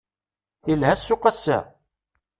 Yelha ssuq ass-a?